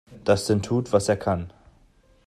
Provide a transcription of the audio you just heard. Dustin tut, was er kann.